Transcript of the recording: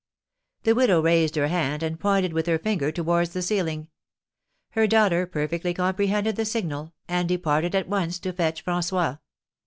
The widow raised her hand, and pointed with her finger towards the ceiling. Her daughter perfectly comprehended the signal, and departed at once to fetch François.